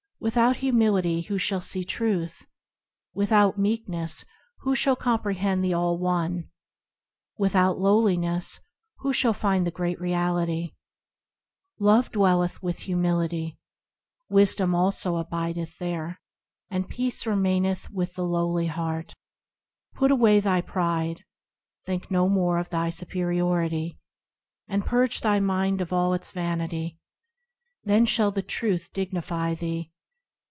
Without Humility who shall see Truth? Without Meekness who shall comprehend the All One ? Without Lowliness who shall find the Great Reality ? Love dwelleth with Humility, Wisdom also abideth there ; And peace remaineth with the lowly heart. Put away thy Pride, Think no more of thy superiority, And purge thy mind of all its vanity ; Then shall the Truth dignify thee.